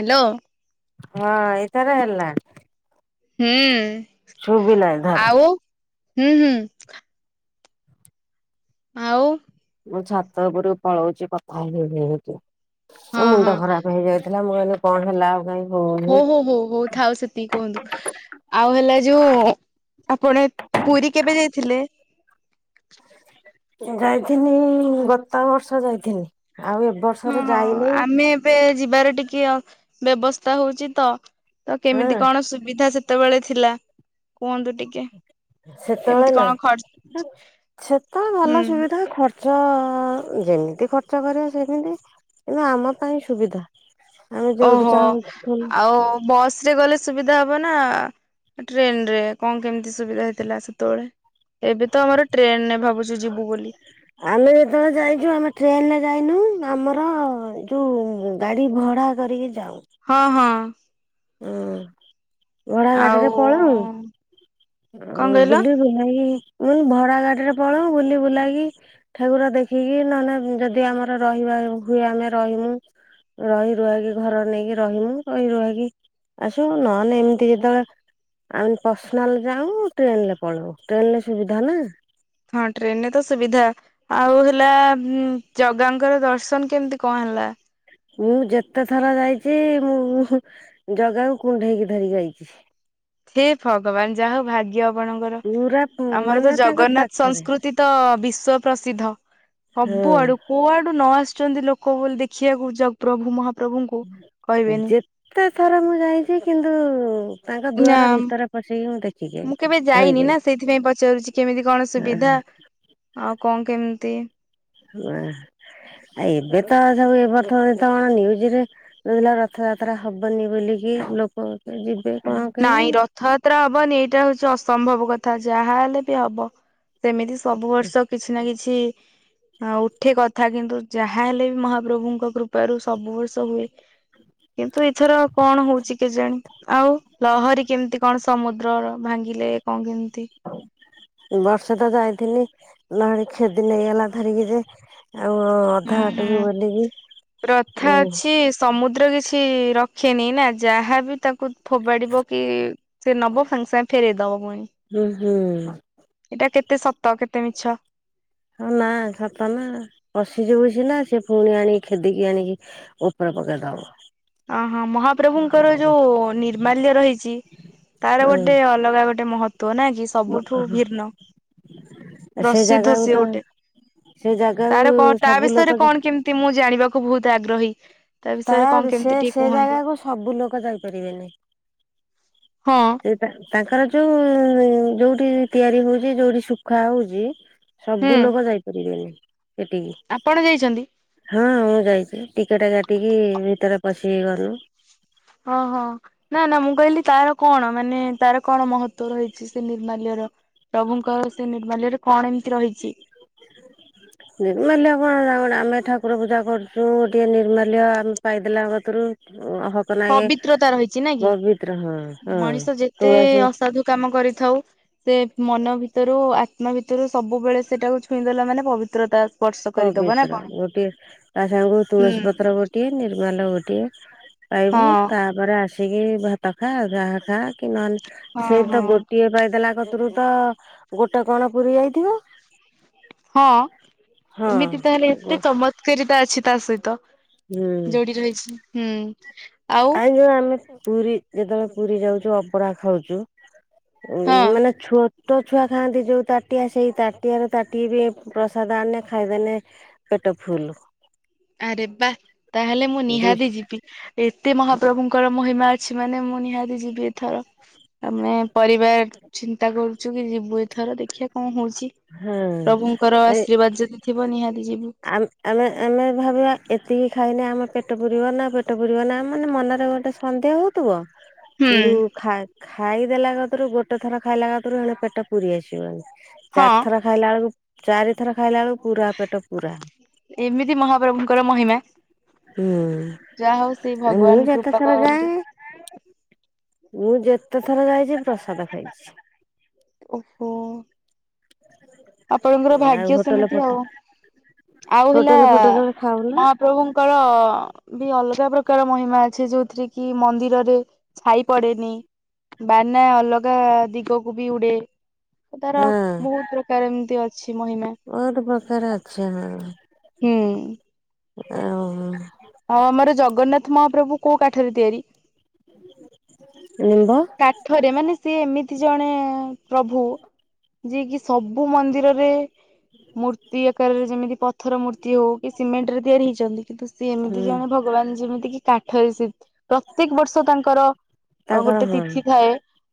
Hello. ହଁ ଏଥର ହେଲା। ହୁଁ। ସୁୁବିଲା ଏଧର। ଆଉ ହୁଁ- ହୁଁ। ଆଉ। ମୁଁ ଛାତ ଉପରୁ ପଳଉଛି କଥା ହେଇ ହେଇକି ହଁ ହଁ ମୁଣ୍ଡ ଖରାପ୍ ହେଇଯାଇଛି। ହେଲା, ମୁଁ କହିନି କଣ ହେଲା ଆଉ କାଇ। ହଉ- ହଉ- ହଉ ଥାଉ ସେତିକି କୁହନ୍ତୁ। ଆଉ ହେଲା ଯୋଉ ଆପଣ ପୁରୀ କେବେ ଯାଇଥିଲେ? ଯାଇଥିନି ଗତ ବର୍ଷ ଯାଇଥିନି। ଆଉ ଏବେ ହଁ ହଁ ଆମେ ଏବେ ଯିବାର ଟିକେ ବ୍ୟବସ୍ଥା ହଉଚି ତ ତ ହଁ କେମିତି କଣ ସୁବିଧା ସେ ସେତେବେଳେ ଥିଲା କୁହନ୍ତୁ ଟିକେ? କେମିତି ସେତେବେଳେ କଣ ଖର୍ଚ୍ଚ ନା ସେତେବେଳେ ହୁଁ ଭଲ ସୁବିଧା ଖ ଖର୍ଚ ଯେମିତି ଖର୍ଚ୍ଚ କରିବା ସେମିତି କିନ୍ତୁ ଆମ ପାଇଁ ସୁବିଧା। ଆମେ ଯୋଉଠି ଚାହୁଁ ବସରେ ଗଲେ ସୁବିଧା ହବ ନା ଟ୍ରେନରେ କଣ କେମିତି ସୁବିଧା ହେଇଥିଲା ସେତେବେଳେ? ଏବେ ତ ଆମର ଟ୍ରେନରେ ଭାବୁଛୁ ଯିବୁ ବୋଲି। ଆମେ ଯେତେବେଳେ ଯାଇଛୁ ଆମେ ଟ୍ରେନରେ ଯାଇନୁ ଆମର ଯୋଉ ଗାଡି ଭଡା କରିକି ଯାଉ। ହଁ ହଁ। ହୁଁ। ଭଡା ଆଉ ଗାଡିରେ ପଳାଉ ଆଉ କଣ କହିଲ ବୁଲି ବୁଲାକି ମୁୁଁ କହିନି ଭଡା ଗାଡିରେ ପଳଉ ବୁଲି ବୁଲାକି ଠାକୁର ଦେଖିକି ନହେଲେ ଯଦି ଆମର ରହିବା ହୁଏ ଆମେ ରହିଯାଉ। ରହି ରୁହାକି ଘର ନେଇକି ରହିମୁ ରହି ରୁହାକି ଆସିବ ନହେନେ ଏମିତି ଯେତେବେଳେ ଆମେ ପର୍ସନାଲ ଯାଉ ଟ୍ରେନରେ ପଳଉ ଟ୍ରେନରେ ସୁବିଧା ନା। ହଁ ଟ୍ରେନରେ ତ ସୁବିଧା ଆଉ ହେଲା ଉଁ ଜଗାଙ୍କର ଦର୍ଶନ କେମିତି କଣ ହେଲା? ମୁଁ ଯେତେ ଥର ଯାଇଚି ମୁଁ ଜଗାକୁ କୁଣ୍ଢେଇକି ଧରିକି ଆଇଚି। ହେ ଭଗବାନ ଯା ହଉ ଭାଗ୍ୟ ଆପଣଙ୍କର। ପୁରା ଆମର ତ ମାନେ ତାଙ୍କ ଜଗନ୍ନାଥ ପାଖରେ ସଂସ୍କୃତି ତ ବିଶ୍ଵ ପ୍ରସିଦ୍ଧ ସବୁ ହଁ। ଆଡୁ କୁଆଡୁ ନ ଆସୁଛନ୍ତି ଲୋକ ବୋଲି ଦେଖିବାକୁ ଜଗ ପ୍ରଭୁ ମହାପ୍ରଭୁଙ୍କୁ କହିବେନି। ଏତେ ଥର ମୁଁ ଯାଇଚି କିନ୍ତୁ ତାଙ୍କ ନା ଦୁଆର ଭିତରେ ପଶିକି ମୁଁ ଦେ ଦେଖିକି ମୁଁ ଆଇଚି କେବେ ଯାଇନି ଧରକି ଆଇ ନା ସେଇଥିପାଇଁ ପଚାରୁଚି କେମିତି କଣ ସୁବିଧା ଆଉ କଣ କେମିତି? ଆଁ ଆ ଏବେ ତ ସବୁ ଏବର୍ଷ ତ କଣ ନ୍ୟୁଜରେ କୋହୁଥିଲା ରଥଯାତ୍ରା ହବନି ବୋଲିକି ଲୋକ ବାକ ଯିବେ କଣ ନାଇଁ କେଇଆଣି। ରଥଯାତ୍ରା ହବନି ଏଇଟା ହଉଛି ଅସମ୍ଭବ କଥା ଯାହା ହେଲେ ବି ହବ। ସେମିତି ସବୁ ବର୍ଷ କିଛି ନା କିଛି ହଁ ଉଠେ କଥା କିନ୍ତୁ ଯାହାହେଲେ ବି ମହାପ୍ରଭୁଙ୍କ କୃପାରୁ ସବୁ ବର୍ଷ ହୁଏ। କିନ୍ତୁ ଏଥର କଣ ହଉଛି କେଜାଣି ଆଉ ଲହରୀ କେମିତି କଣ ସମୁଦ୍ରର ଭାଙ୍ଗିଲେ କଣ କେମିତି? ବର୍ଷେ ତ ଯାଇିଥିଲି ନହଡି କ୍ଷେଦି ନେଇଗଲା ଧରିକି ଯେ ଆଉ ଅଧା ହୁଁ ହୁଁ। ହାଟୁରୁ ଗଲିଯେ ପ୍ରଥା ଉଁ ଅଛି ସମୁଦ୍ର କିଛି ରଖେନି ନା ଯାହାବି ତା କୁ ଫୋବାଡି ପକେଇ ସେ ନବ ସାଙ୍ଗେ ସାଙ୍ଗେ ଫେରେଇଦବ ପୁଣି ଉଁ ହୁଁ। ଏଟା କେତେ ସତ କେତେ ମିଛ। ହଁ ନା ସତ ନା ପଶିଯିବୁ ସିନା ସେ ପୁଣି ଆଣିକି କ୍ଷେଦିକି ଆଣିକି ଉପରେ ପକେଇଦବ। ଅଁ ହଁ ମହାପ୍ରଭୁଙ୍କର ଯୋଉ ନିର୍ମାଲ୍ୟ ରହିଛି। ତାର ଗୋଟେ ଅଲଗା ଗୋଟେ ମହତ୍ଵ ନାଇଁ କି ସବୁଠୁ ଭିନ୍ନ ସେ ପ୍ରସିଦ୍ଧ ଜାଗାକୁ ସିଏ ତ ଗୋଟେ। ସେ ଜାଗାକୁ ତାର କଣ ତା ସବୁ ବିଷୟରେ ଲୋକ ଯା କଣ କେମିତି ମୁଁ ଜାଣିବାକୁ ବହୁତ ଆଗ୍ରହି। ତାର ସେ ସେ ଜାଗାକୁ ସବୁ ଲୋକ ଯାଇପାରିବେନି। ହଁ। ସେ ତାଙ୍କର ଯୋଉ ଯୋଉଠି ତିଆରି ହଉଛି ଯୋଉଠି ସୁଖା ହଉଛି। ହୁଁ ସବୁ ଲୋକ ଯାଇପାରିବେନି ସେଠିକି ଆପଣ ଯାଇଛନ୍ତି ହଁ ମୁଁ ଯାଇଚି ଟିକେଟ କାଟିକି ଭିତରେ ପଶିକି ଗଲୁ। ହଁ ହଁ। ନା ନା ମୁଁ କହିଲି ତାର କଣ ମାନେ ତାର କଣ ମହତ୍ଵ ରହିଛି ସେ ନିର୍ମାଲ୍ୟର? ପ୍ରଭୁଙ୍କର ସେ ନିର୍ମାଲ୍ୟରେ କଣ ଏମିତି ରହିଚି? ନିର୍ମାଲ୍ୟ କଣ ଆମେ ଠାକୁର ପୂଜା କରୁଚୁ ଟିକେ ନିର୍ମାଲ୍ୟ ଆମେ ପାଇଦେଲା କତୁରୁ ଓଃକ। ପବିତ୍ରତା ରହିଛି ନାଇ କି ହଁ ହଁ ମଣିଷ ଯେତେ ତୁଳସୀ ଅସାଧୁ କାମ କରିଥାଉ। ସେ ମନ ଭିତରୁ ଆତ୍ମା ଭିତରୁ ସବୁବେଳେ ସେଟାକୁ ଛୁଇଁଦେଲା ମାନେ ପବିତ୍ରତା ସ୍ପର୍ଶ କରିଦବ ନା ପବିତ୍ର କଣ? ଗୋଟିଏ ତା ସାଙ୍ଗକୁ ହୁଁ। ତୁଳସୀ ପତ୍ର ଗୋଟିଏ ନିର୍ମାଲ୍ୟ ଗୋଟିଏ। ହଁ ପାଇବୁ ତାପରେ ଆସିକି ଭାତ ଖା ଯାହା ଖା କି ନହେଲେ। ହଁ ସେଇ ହଁ ତ ଗୋଟିଏ ପାଇଦେଲା କତୁରୁ ତ ଗୋଟେ କଣ ପୁରୀ ଯାଇଥିବ। ହଁ ହଁ। ଏମିତି ତାହେଲେ ଗୋ ଏତେ ଚମତ ଉତେଜିତା ଅଛି ତା ସହିତ ହୁଁ ଯୋଉଠି ରହିଛି ହୁଁ। ଆଉ ଆଇ ଯୋଉ ଆମେ ପୁରୀ ଯେତେବେଳେ ପୁରୀ ଯାଉଚୁ ଅବଢ଼ା ଖାଉଚୁ ହଁ ମାନେ ଛୋଟ ଛୁଆ ଖାଆନ୍ତି ଯୋଉ ତାଟିଆ ସେଇ ତାଟିଆ ର ତାଟିଏ ବି ପ୍ରସାଦ ଆଣିନେ ଖାଇଦେନେ ପେଟ ଫୁଲୁ। ଆରେ ବାଃ ତାହେଲେ ମୁଁ ଦୁଇ ନିହାତି ଯିବି। ଏତେ ମହାପ୍ରଭୁଙ୍କର ମହିମା ଅଛି ମାନେ ମୁଁ ନିହାତି ଯିବି ଏଥର। ଆମେ ପରିବାର ଚିନ୍ତା କରୁଛୁ କି ଯିବୁ ଏଥର ଦେଖିବା କଣ ହଉଛି। ହଁ ପ୍ରଭୁଙ୍କର ଆଶୀର୍ବାଦ ଯଦି ଥିବ ନିହାତି ଯିବୁ। ଆମେ ଆମେ ଆମେ ଭାବିବା ଏତିକି ଖାଇନି ଆମ ପେଟ ପୁରିବ ନା ପେଟ ପୁରିବ ନା ମାନେ ମନରେ ଗୋଟେ ସନ୍ଧେହ ହଉଥିବ। ହୁଁ କିନ୍ତୁ ଖା ଖାଇଦେଲା କାତରୁ ଗୋଟେ ଥର ଖାଇଲା କତରୁ ଏଣେ ପେଟ ପୁରି ଆସିବ। ହଁ ଚାରିଥର ଖାଇଲା ବେଳକୁ ଚାରିଥର ଖାଇଲା ବେଳକୁ ପୁରା ପେଟ ଫୁଲ୍। ଏମିତି ମହାପ୍ରଭୁଙ୍କର ମହିମା। ହୁଁ ଯାହା ହଉ ସେ ମୁଁ ଭଗବାନ ଯେତେ କୃପା ଥର ଯାଏ କରନ୍ତୁ। ମୁଁ ଯେତେ ଥର ଯାଇଛି ପ୍ରସାଦ ଖାଇଛି। ଓହୋ। ଆପଣଙ୍କର ଆଉ ଭାଗ୍ୟ ହୋଟେଲ ସେମିତି ଫୋଟ ଆଉ ଆଉ ହେଲା ହୋଟେଲ ଫୋଟେଲରେ ମହା ଖାଉନା ମହା ପ୍ରଭୁଙ୍କର ବି ଅଲଗା ପ୍ରକାର ମହିମା ଅଛି ଯୋଉଥିରେ କି ମନ୍ଦିରରେ। ଛାଇ ପଡେନି ବାନା ଅଲଗା ଦିଗକୁ ବି ଉଡେ। ତାର ହଁ। ବହୁ ପ୍ରକାର ଏମିତି ଅଛି ମହିମା। ବହୁତ ପ୍ରକାର ଅଛି ହଁ। ହୁଁ। ଆଉ। ଉହୁଁ। ଆଉ ଆମର ଜଗନ୍ନାଥ ମହାପ୍ରଭୁ କୋଉ କାଠରେ ତିଆରି? ନିମ୍ବ। କାଠରେ ମାନେ ସିଏ ଏମିତି ଜଣେ ପ୍ରଭୁ ଯିଏ କିି ସବୁ ମନ୍ଦିରରେ ମୂର୍ତ୍ତି କାରରେ ଯେମିତି ପଥର ମୂର୍ତ୍ତି ହଉ କି ସିମେଣ୍ଟରେ ତିଆରି ହେଇଚନ୍ତି କିନ୍ତୁ ସିଏ ହୁଁ ଏମିତି ଜଣେ ଭଗବାନ ଯେମିତି କି କାଠରେ ସିଏ ପ୍ରତ୍ୟେକ ବର୍ଷ ତାଙ୍କର ତାଙ୍କର କଣ? ଏ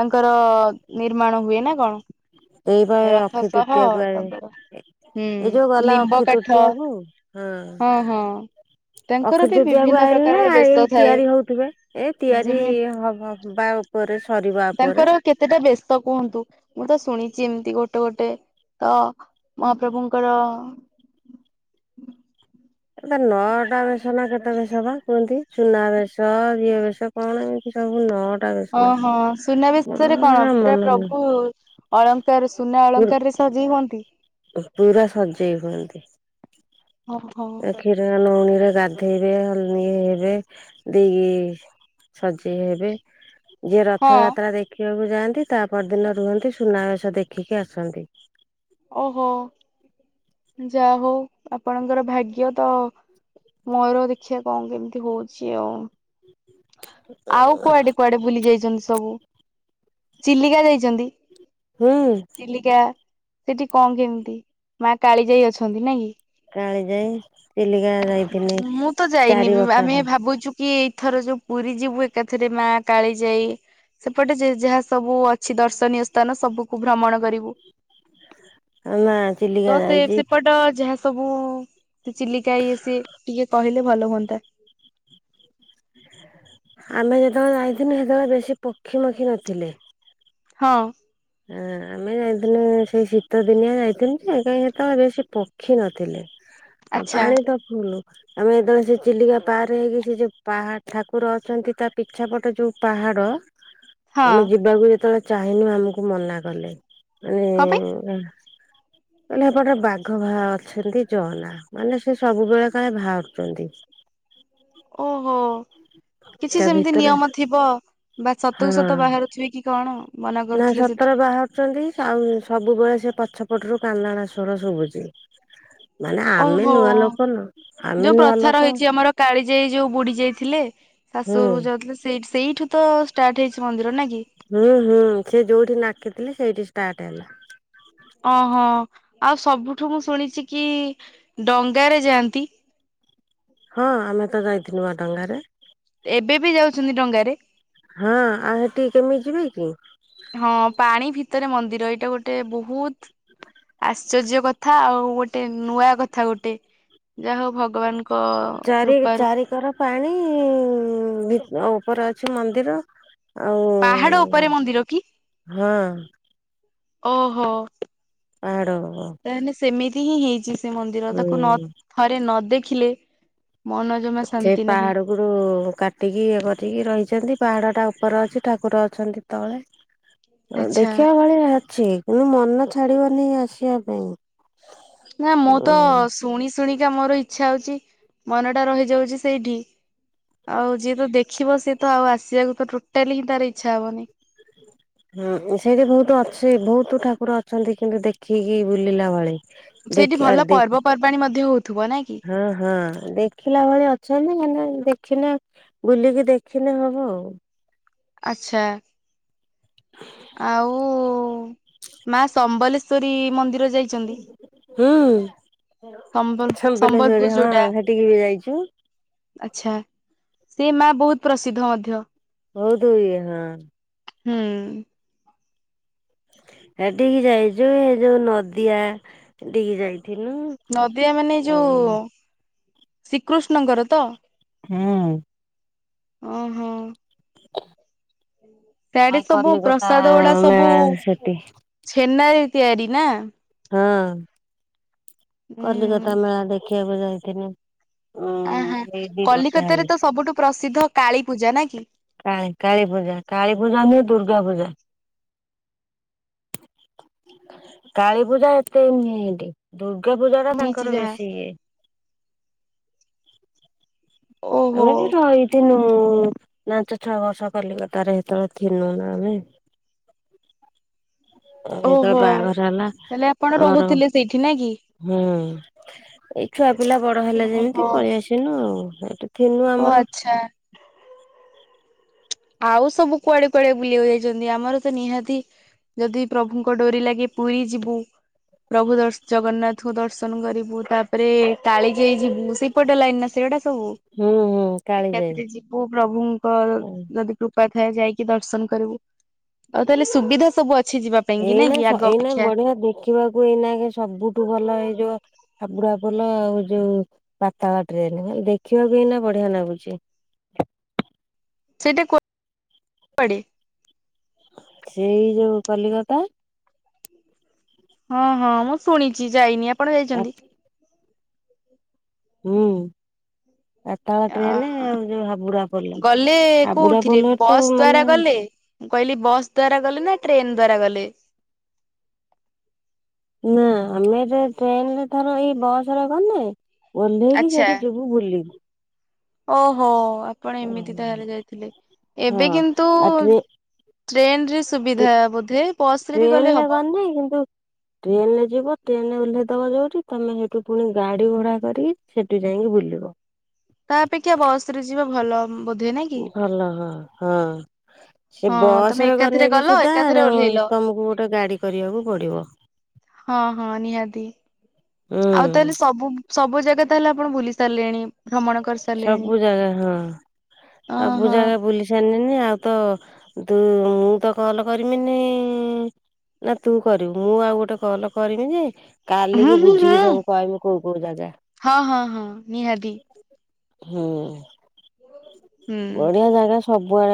ତାଙ୍କର ନିର୍ମାଣ ହୁଏ ନା କଣ? ଏଇ ବା ଏ ରଥ ସହ ଅଖିତୃତୀୟା ତାଙ୍କର କୁଆଡେ? ହୁଁ ଏ ଯୋଉ ଗଲା ଲିମ୍ବ କାଠ ଅଖିତୃତୀୟା କୁ ହଁ। ତାଙ୍କର ବି ଅଖିତୃତୀୟାକୁ ବିଭିନ୍ନ ଆଇଲେ ପ୍ରକାରର ବେଶ ଏଇ ଥାଏ ତିଆରି ହଉଥିବେ ଏ ତିଆରି ଯେମିତି ହବ। ବା ଉପରେ ସରିବ ଆ ପରେ। ତାଙ୍କର କେତେଟା ବେଶ କୁହନ୍ତୁ ମୁଁ ତ ଶୁଣିଚି ଏମତି ଗୋଟେ ଗୋଟେ ତ ମହାପ୍ରଭୁଙ୍କର ଏ ବା ନଅଟା ବେଶ ନା କେତେ ବେଶ ବା କୁହନ୍ତି। ସୁନାବେଶ ଇଏ ବେଶ କଣ ଏମିତି ସବୁ ନଅ ଅ ହଁ ସୁନା ବେଶରେ କଣ ମନେ ପୁରା ପ୍ରଭୁ ନାହିଁ। ଅଳଙ୍କାରରେ ସୁନା ଅଳଙ୍କାରରେ ସଜେଇ ହୁଅନ୍ତି। ଉ ପୁରା ସଜେଇ ହୁଅନ୍ତି। ଅ ହ। କ୍ଷୀର ନଉଣୀରେ ଗାଧେଇବେ ହଳଦୀ ହେବେ ଦେଇକି ସଜେଇ ହେବେ। ଯିଏ ହଁ ରଥଯାତ୍ରା ଦେଖିବାକୁ ଯାଆନ୍ତି ତା ପରଦିନ ରୁହନ୍ତି ସୁନାବେଶ ଦେଖିକି ଆସନ୍ତି। ଓ ହୋ ଯାହା ହଉ ଆପଣଙ୍କର ଭାଗ୍ୟ ତ ମୋର ଦେଖିବା କଣ କେମତି ହଉଚି ଆଉ। ଆଉ କୁଆଡେ କୁଆଡେ ବୁଲି ଯାଇଛନ୍ତି ସବୁ ଚିଲିକା ଯାଇଚନ୍ତି? ହୁଁ। ଚିଲିକା ସେଠି କଣ କେମତି ମା କାଳିଜାଇ ଅଛନ୍ତି ନା କି? କାଳିଜାଇ। ଚିଲିକା ଯା ମୁଁ ତ ଯାଇନି ବି ଆମେ ଭାବଚୁ କି ଏଥର ଯୋଉ ପୁରୀ ଯିବୁ ଏକାଥେରେ ମା କାଳିଜାଇ ସେପଟେ ଯେ ଯାହା ସବୁ ଅଛି ଦର୍ଶନୀୟ ସ୍ଥାନ ସବୁକୁ ଭ୍ରମଣ କରିବୁ। ନା ଚିଲିକା ତ ସେ ଯାଇଛି ସେପଟ ଯାହା ସବୁ ଚିଲିକା ଇଏ ସିଏ ଟିକେ କହିଲେ ଭଲ ହୁଅନ୍ତା। ଆମେ ଯେତବେଳେ ଯାଇଥିନୁ ସେତବେଳେ ବେଶୀ ପକ୍ଷୀ ମକ୍ଷୀ ନଥିଲେ। ହଁ। ଏଁ ଆମେ ଯାଇଥିଲୁ ସେଇ ଶୀତ ଦିନିଆ ଯାଇଥିନୁ ଯେ କାଇଁ ସେତବେଳେ ବେଶୀ ପକ୍ଷୀ ନଥିଲେ। ଆଉ ଆଚ୍ଛା ପାଣି ତ ଫୁଲ୍। ଆମେ ଯେତବେଳେ ସେ ଚିଲିକା ପାରେ ହେଇକି ସେ ଯୋଉ ପାହା ଠାକୁର ଅଛନ୍ତି ତା ପିଛା ପଟ ଯୋଉ ପାହାଡ ଆମେ ହଁ ଯିବାକୁ ଯେତବେଳେ ଚାହିଁନୁ ଆମୁକୁ ମନା କଲେ କଣ ପାଇଁ? ମାନେ ଏଁ କହିଲେ ହେପଟେ ବାଘ ବା ଅଛନ୍ତି ଯଅନା ମାନେ ସେ ସବୁବେଳେ କାଳେ ବାହାରୁଚନ୍ତି। ଓ ହୋ କିଛି ତା ସେମତି ଭିତରେ ନିୟମ ଥିବ ବା ସତୁକୁ ସତ ହଁ ବାହାରୁ ଥିବେ କି କଣ ଆଉ। ନା ସତରେ ବାହାରୁଚନ୍ତି ଆଉ ସବୁବେଳେ ସେ ପଛ ପଟରୁ କାନ୍ଦଣା ସ୍ୱର ଶୁଭୁଚି। ଓହୋ ନୁହଁ ଆମେ ଯୋଉ ନୂଆ ପ୍ରଥା ଲୋକ ରହିଛି ଆମର କାଳିଜାଈ ଯୋଉ ବୁଡି ଯାଇଥିଲେ? ହୁଁ ଶାଶୁ ଘରକୁ ଯାଉଥିଲେ ସେଇ ସେଇଠୁ ତ ଷ୍ଟାର୍ଟ ହେଇଛି ମନ୍ଦିର ନା କି? ହୁଁ ହୁଁ ସେ ଯୋଉଠି ନାକିଥିଲେ ସେଇଠି ଷ୍ଟାର୍ଟ ହେଲା। ଓହୋ ଆଉ ସବୁଠୁ ମୁଁ ଶୁଣିଛି କି ଡଙ୍ଗାରେ ଯାଆନ୍ତି? ହଁ ଆମେ ତ ଯାଇଥିଲୁ ନୂଆ ଡଙ୍ଗାରେ। ଏବେ ବି ଯାଉଛନ୍ତି ଡଙ୍ଗାରେ? ହଁ ଆଉ ସେଠିକି କେମିତି ଯିବେ କି? ହଁ ପାଣି ଭିତରେ ମନ୍ଦିର ଏଇଟା ଗୋଟେ ବହୁତ ଆଶ୍ଚର୍ଯ୍ୟ କଥା ଆଉ ଗୋଟେ ନୂଆ କଥା ଗୋଟେ ଯାହା ହଉ ଭଗବାନ ଚାରି ଚାରିିକର ପାଣି ଉପରେ ଅଛି ମନ୍ଦିର। ଆଉ ପାହାଡ ଉପରେ ମନ୍ଦିର କି ହଁ। ଓହୋ। ପାହାଡ। ତାହେଲେ ସେମିତି ହିଁ ହେଇଛି ସେ ମନ୍ଦିର ତାକୁ ନ ହୁଁ ଥରେ ନ ଦେଖିଲେ ମନ ଜମା ସେ ଶାନ୍ତି ନାହିଁ ପାହାଡକୁ ଉପରୁ କାଟିକି ଇଏ କରିକି ରହିଛନ୍ତି ପାହାଡ଼ଟା ଉପରେ ଅଛି ଠାକୁର ଅଛନ୍ତି ତଳେ। [inaudible] ଆଚ୍ଛା ଦେଖିବା ଭଳିଆ ଅଛି କିନ୍ତୁ ମନ ଛାଡିବନି ଆସିବା ପାଇଁ। ନା ମୁଁ ତ ଶୁଣି ଶୁଣିକା ମୋର ଇଛା ହଉଛି ମନଟା ରହିଯାଉଛି ସେଇଠି। ଆଉ ଯିଏ ତ ଦେଖିବ ସିଏ ତ ଆଉ ଆସିବାକୁ ତ ଟୋଟାଲି ହିଁ ତାର ଇଛା ହବନି। ହୁଁ ସେଇଠି ବହୁତ ଅଛି ବହୁତ ଠାକୁର ଅଛନ୍ତି କିନ୍ତୁ ଦେଖିକି ବୁଲିଲା ଭଳି। ସେଇଠି ଦେଖି ଭଲ ଦେଖ ପର୍ବପର୍ବାଣୀ ମଧ୍ୟ ହଉଥିବ ନାଇଁ କି ହଁ ହଁ ଦେଖ ଦେଖିଲା ଭଳି ଅଛନ୍ତି ମ ଦେଖିଲେ ବୁଲିକି ଦେଖିଲେ ହବ ଆଉ? ଆଛା। ଆଉ ମା ସମ୍ବଲେଶ୍ଵରୀ ମନ୍ଦିର ଯାଇ ଛତି ହୁଁ ସମ୍ବଲ ସମଲେଶ୍ଵରୀ ସମ୍ବଲପୁର ହଁ ଯୋଉଟା? ସେଠିକି ବି ଯାଇଛୁ। ଆଛା ସେ ମା ବହୁତ ପ୍ରସିଦ୍ଧ ମଧ୍ୟ। ବହୁତ ଇଏ ହଁ। ହୁଁ। ହେଟିକି ଯାଇଛୁ ଏ ଯୋଉ ନଦିଆଡିକି ଯାଇଛି ନଦିଆ ମାନେ ଏ ଯୋଉ ଶ୍ରୀକୃଷ୍ଣଙ୍କର ତ? ହୁଁ। ଓହୋ। ସିଆଡେ ଆଉ ସବୁ କଲିକତା ପ୍ରସାଦ ଗୁଡା ସବୁ ମେଳା ସେଠି ଛେନାରେ ତିଆରି ନା? ହଁ। ଉୁଁ ହୁଁ କଲିକତା ମେଳା ଦେଖିବାକୁ ଯାଇଥିଲି। ଆ ହଁ କଲିକତାରେ ହେଲାଣି। ତ ସବୁଠୁ ପ୍ରସିଦ୍ଧ କାଳୀ ପୂଜା ନା କି? କାଳୀ କାଳୀ ପୂଜା କାଳୀ ପୂଜା ନୁହେଁ ଦୁର୍ଗା ପୂଜା। କାଳୀ ପୂଜା ଏତେ ନୁହେଁ ଏଇଠି। ଦୁର୍ଗା ପୂଜାଟା ଶୁଣିଛି ତାଙ୍କର ଯାହା ବେଶୀ ଇଏ। ଓହୋ ଆମେ ବି ରହିଥିନୁ ପାଞ୍ଚ ଛଅ ବର୍ଷ କଲିକତାରେ ସେତେବେଳେ ଥିନୁ ନା ଆମେ। ଯେତେବେଳ ଓହୋ ବାହାଘର ହେଲା ତାହେଲେ ଆପଣ ଆମର। ରହୁଥିଲେ ସେଇଠି ନା କି ହୁଁ ଏଇ ଛୁଆ ପିଲା ବଡ ହେଲା ଓହୋ ଯେମିତି ପଳେଇଆସନୁ ଆଉ ଏଠି। ଥୀନୁ ଓ ଆମର ଆଚ୍ଛା ଆଉ ସବୁ କୁଆଡେ କୁଆଡେ ବୁଲିବାକୁ ଯାଇଛନ୍ତି? ଆମର ତ ନିହାତି ଯଦି ପ୍ରଭୁଙ୍କ ଡୋରି ଲାଗେ ପୁରୀ ଯିବୁ। ପ୍ରଭୁ ଜଗନ୍ନାଥଙ୍କୁ ଦର୍ଶନ କରିବୁ ତାପରେ କାଳିଜାଈ ଯାଇ ଯିବୁ ସେଇ- ସେପଟ ଲାଇନ ନା ସେଗୁଡା ସବୁ ହୁଁ ହୁଁ କାଳିଜାଇ। ଏକାଥରେ ଯିବୁ ପ୍ରଭୁଙ୍କ। ଯଦି କୃପା ଥାଏ ଯାଇକି ଦର୍ଶନ କରିବୁ ଆଉ ତାହେଲେ ସୁବିଧା ସବୁ ଅଛି ଯିବା ପାଇଁ କି ନାଇଁ ଏଇନା କି ଆଗ ଏଇନା ଅପେକ୍ଷା। ବଢିଆ ଦେଖିବାକୁ ଏଇନା ସବୁଠୁ ଭଲ ଏଇ ଯୋଉ ହାବୁଡା ପୋଲ ଆଉ ଯୋଉ ପାତାଳ ଟ୍ରେନ୍ ଦେଖିବାକୁ ଏଇନେ ବଢିଆ ଲାଗୁଛି। ସେଇଟା କୋଉ ଆଡେ? ସେଇ ଯୋଉ କଲିକତା। ହଁ ହଁ ମୁଁ ଶୁଣିଛି ଯାଇନି ଆପଣ ଯାଇଛନ୍ତି? ହୁଁ। ପାତାଳ ଅ ଟ୍ରେନ ଆଉ ଯୋଉ ହାବୁଡାପୋଲ ଗଲେ କୋଉଥିରେ ହାବୁଡାପୋଲର ତ ବସ୍ ଦ୍ଵାରା ମାନେ। ଗଲେ? ମୁଁ କହିଲି ବସ୍ ଦ୍ଵାରା ଗଲେ ନା ଟ୍ରେନ ଦ୍ଵାରା ଗଲେ? ନା ଆମେ ଏ ଟ୍ରେନରେ ଥର ଏଇ ବସ ରେ ଗଲେେ ଓହ୍ଲେଇକି ଆଚ୍ଛା। ସେଠି ଯିବୁ। ବୁଲିବି। ଓହୋ ଆପଣ ଏମିତି ତାହେଲେ ଯାଇଥିଲେ ହଁ ଏବେ କିନ୍ତୁ ଆଉ ଟ୍ରେ ଟ୍ରେନ ରେ ସୁବିଧା ବୋଧେ ବସ୍ ରେ ବି ଗଲେ ହବ। ନାଇଁ କିନ୍ତୁ ଟ୍ରେନ ରେ ଯିବ ଟ୍ରେନରେ ଓହ୍ଲାଇଦବ ଯୋଉଠି ତମେ ସେଇଠୁ ପୁଣି ଗାଡି ଭଡା କରିକି ସେଠୁ ଯାଇକି ବୁଲିବ। ତା ଅପେକ୍ଷା ବସ ରେ ଯିବା ଭଲ ହବ। ବୋଧେ ନାଇଁ। କି? ଭଲ ହଁ ହଁ। ସେ ହଁ ବସ୍ ତମେ ରେ ଏକାଥରେ ଗଲେବି ଗଲ ସୁଧା ଏକାଥରେ ଓହ୍ଲେଇଲ ତମକୁ ଗୋଟେ ଗାଡି କରିବାକୁ ପଡିବ। ହଁ ହଁ ନିହାତି ହୁଁ। ଆଉ ତାହେଲେ ସବୁ ସବୁ ଜାଗା ତାହେଲେ ଆପଣ ଭୁଲି ସାରିଲେଣି ଭ୍ରମଣ କରି ସବୁ ଜାଗା ହଁ ସବୁ ଓହୋ ଜାଗା ବୁଲି- ସାରି ନି ଆଉ ତ ତୁ ମୁଁ ତ କଲ କରିବିନି ନା ତୁ କରିବୁ ମୁଁ ଆଉ ଗୋଟେ କଲ କରିବି ଯେ ହୁଁ କାଲିକି ହୁଁ ହୁଁ ବୁଝିକି ସବୁ କହିବି କୋଉ କୋଉ ଜାଗା। ହଁ ହଁ ହଁ ନିହାତି ହୁଁ। ହୁଁ। ବଢିଆ ଜାଗା ସବୁଆଡେ